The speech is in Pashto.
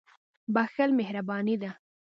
• بښل مهرباني ده.